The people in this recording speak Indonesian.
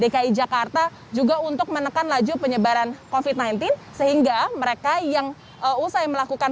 dki jakarta juga untuk menekan laju penyebaran covid sembilan belas sehingga mereka yang usai melakukan